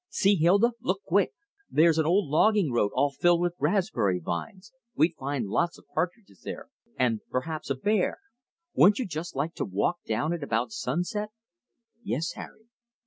See, Hilda, look quick! There's an old logging road all filled with raspberry vines. We'd find lots of partridges there, and perhaps a bear. Wouldn't you just like to walk down it about sunset?" "Yes, Harry."